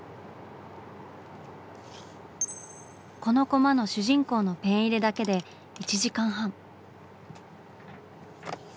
このコマの主人公のペン入れだけで１時間半。